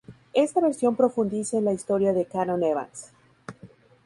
Esta versión profundiza en la historia de Canon Evans.